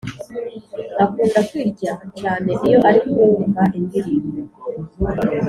Akunda kwirya cyane iyo ari kumva indirimbo